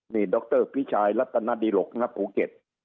นี่ดรพิชัยรัตนดิหลกณภูเก็ต